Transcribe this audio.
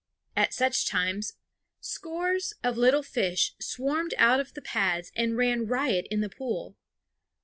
At such times scores of little fish swarmed out of the pads and ran riot in the pool.